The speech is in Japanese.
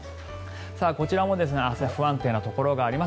こちらも明日不安定なところがあります。